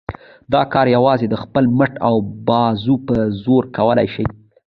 دا کار یوازې د خپل مټ او بازو په زور کولای شي.